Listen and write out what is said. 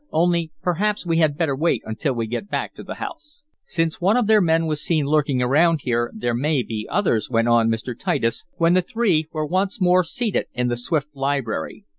"Only perhaps we had better wait until we get back to the house. "Since one of their men was seen lurking around here there may be others," went on Mr. Titus, when the three were once more seated in the Swift library.